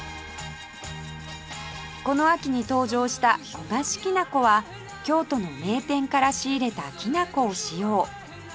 この秋に登場したこがしきな粉は京都の名店から仕入れたきな粉を使用